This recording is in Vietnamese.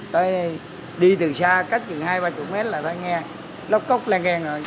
tới đây đi từ xa cách chừng hai ba mươi m là phải nghe nó cóc lan khen rồi